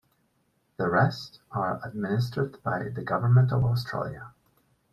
The rest are administered by the Government of Australia.